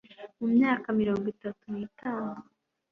Mu myaka mirongo itatu nitanu